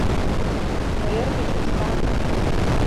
Но эргыч ушан.